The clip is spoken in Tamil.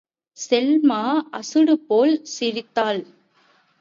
செல்மா அசடுபோல் சிரித்தாள்.